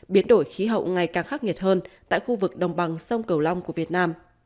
biến đổi khí hậu ngày càng khắc nghiệt hơn tại khu vực đồng bằng sông cầu long của việt nam